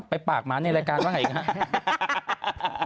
ไปปากหมาในรายการก็ให้อีกครับ